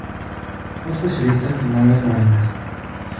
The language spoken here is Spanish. Fue especialista en algas marinas.